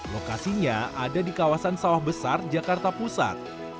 lokasinya ada di kawasan sawah besar jakarta pusat